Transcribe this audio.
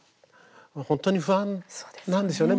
本当に不安なんでしょうね。